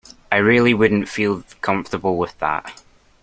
I really wouldn't feel comfortable with that.